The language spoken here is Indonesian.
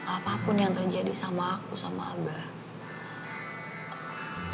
apapun yang terjadi sama aku sama abang